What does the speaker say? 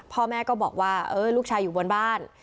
พ่อแม่ก็บอกว่าลูกชายอยู่บนบ้าน